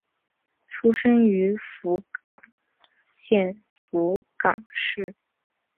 出身于福冈县福冈市。